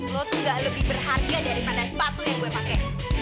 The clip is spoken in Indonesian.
lo tuh gak lebih berharga daripada sepatu yang gue pakai